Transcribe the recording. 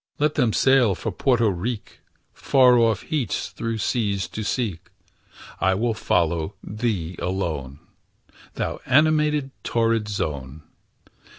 Let them sail for Porto Rique, Far off heats through seas to seek; I will follow thee alone, Thou animated torrid zone!